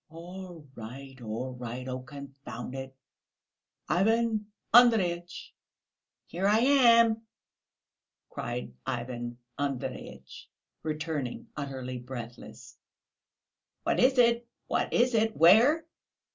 "All right, all right. Oh, confound it! Ivan Andreyitch!" "Here I am," cried Ivan Andreyitch, returning, utterly breathless. "What is it, what is it? Where?"